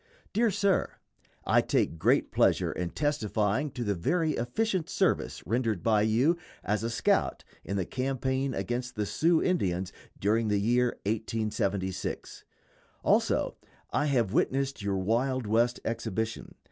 _ DEAR SIR: I take great pleasure in testifying to the very efficient service rendered by you "as a scout" in the campaign against the Sioux Indians during the year 1876. Also that I have witnessed your Wild West exhibition.